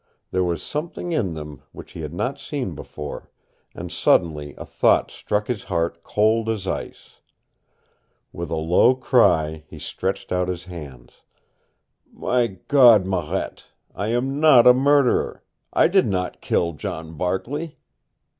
There was something in them which he had not seen before, and suddenly a thought struck his heart cold as ice. With a low cry he stretched out his hands, "My God, Marette, I am not a murderer! I did not kill John Barkley!"